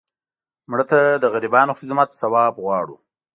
مړه ته د غریبانو خدمت ثواب غواړو